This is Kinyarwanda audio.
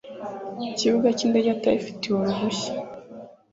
kibuga cy indege atabifitiye uruhushya